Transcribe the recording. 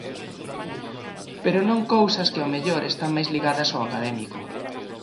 Pero non cousas que, ao mellor, están máis ligadas ao académico.